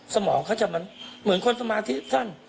สมองเขาจะมันเหมือนคนสมาธิสั้น